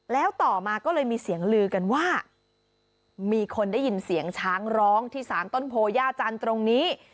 แล้วต่อมาก็เลยมีเสียงลือกันว่ามีคนได้ยินเสียงช้างร้องที่สารต้นโพย่าจันทร์ตรงนี้